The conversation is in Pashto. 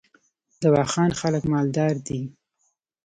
د واخان خلک مالدار دي